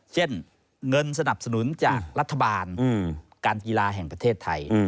เช่นเงินสนับสนุนจากรัฐบาลการกีฬาแห่งประเทศไทย